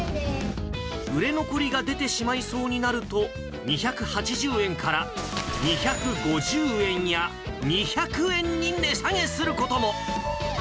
売れ残りが出てしまいそうになると、２８０円から２５０円や、２００円に値下げすることも。